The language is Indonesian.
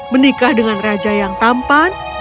menikah dengan raja yang tampan